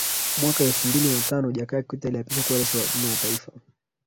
mwaka elfu mbili na tano Jakaya Kikwete aliapishwa kuwa Rais wa nne wa taifa